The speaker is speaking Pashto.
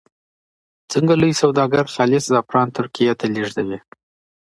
څنګه لوی سوداګر خالص زعفران ترکیې ته لیږدوي؟